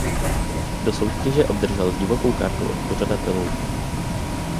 Do soutěže obdržel divokou kartu od pořadatelů.